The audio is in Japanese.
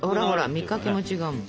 見かけも違うもん。